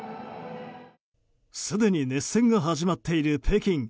すでに熱戦が始まっている北京。